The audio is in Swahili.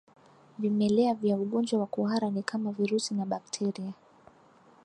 Vimelea vya ugonjwa wa kuhara ni kama virusi na bakteria